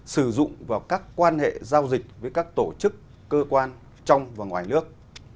sử dụng vào các quan hệ giao dịch với các tổ chức cơ quan trong và ngoài nước